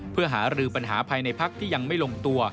เพื่อหารือปัญหาภายในพักที่ยังไม่ลงตัว